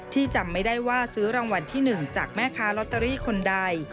จำไม่ได้ว่าซื้อรางวัลที่๑จากแม่ค้าลอตเตอรี่คนใด